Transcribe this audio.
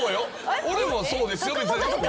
俺もそうですよ。